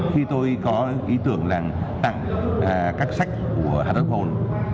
khi tôi có ý tưởng là tặng các sách của hard rock gold